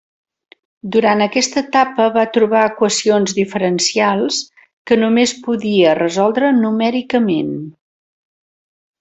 Durant aquesta etapa va trobar equacions diferencials que només podia resoldre numèricament.